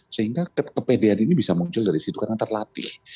sehingga kepedean ini bisa muncul dari sifat yang terlatih